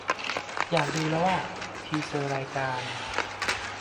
อยากดูแล้วอ่ะ ! ทีเซอร์ รายการ